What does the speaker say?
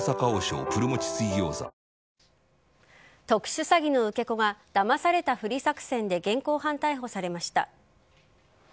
特殊詐欺の受け子が騙されたふり作戦で現行犯逮捕されました。